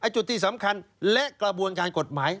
จุดที่สำคัญและกระบวนการกฎหมาย